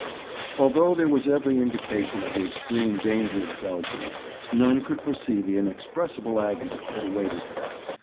Although there was every indication of the extreme danger of Belgium, none could foresee the inexpressible agony that awaited her.